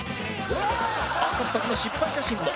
赤っ恥の失敗写真も